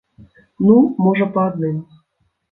Ну, можа, па адным.